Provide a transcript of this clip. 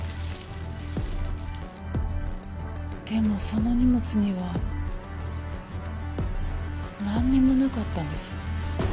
でもその荷物にはなんにもなかったんです。